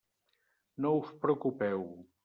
No us preocupeu.